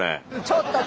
ちょっと！